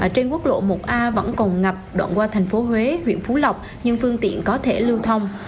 trên quốc lộ một a vẫn còn ngập đoạn qua thành phố huế huyện phú lộc nhưng phương tiện có thể lưu thông